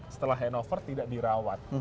setelah handover tidak dirawat